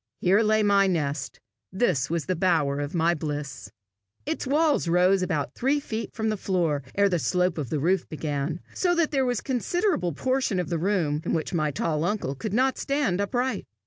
Here lay my nest; this was the bower of my bliss. Its walls rose but about three feet from the floor ere the slope of the roof began, so that there was a considerable portion of the room in which my tall uncle could not stand upright.